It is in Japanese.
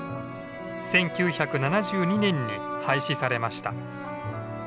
１９７２年に廃止されました。